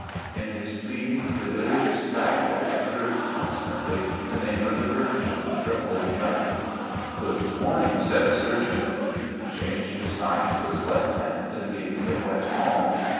In his pleading, delirious babble occurred constantly the name of the Virgin, the Holy Mother. "Good morning," said the surgeon. He changed his knife to his left hand and gave me a wet palm.